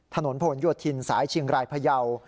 ถนนผลโยธินสายเชียงรายพยาว